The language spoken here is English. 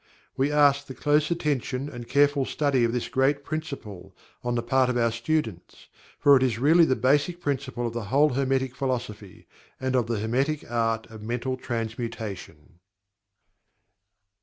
We ask the close attention, and careful study of this great Principle, on the part of our students, for it is really the Basic Principle of the whole Hermetic Philosophy, and of the Hermetic Art of Mental Transmutation.